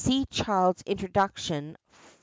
See Child's Introduction, IV.